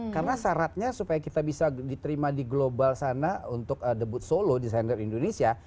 karena syaratnya supaya kita bisa diterima di global sana untuk debut solo di sender indonesia